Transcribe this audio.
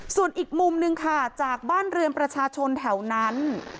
ส่วนอีกมุมนึงค่ะจากบ้านเรือนประชาชนแถวนั้น